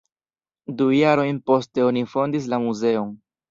Du jarojn poste oni fondis la muzeon.